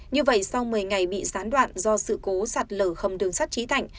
như vậy sau một mươi ngày bị gián đoạn do sự cố sạt lở hầm đường sắt trí thạnh